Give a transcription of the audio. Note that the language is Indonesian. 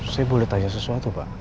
saya boleh tanya sesuatu pak